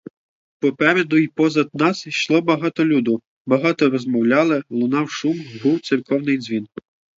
Попереду і позад нас ішло багато люду, багато розмовляли, лунав шум, гув церковний дзвін.